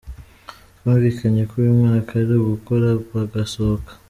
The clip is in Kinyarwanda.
Twumvikanye ko uyu mwaka ari ugukora bagasohoka.